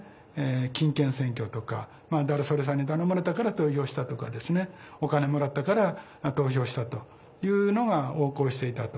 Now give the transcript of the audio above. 金権選挙とか誰それさんに頼まれたから投票したとかお金もらったから投票したというのが横行していたと。